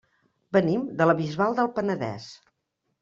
Venim de la Bisbal del Penedès.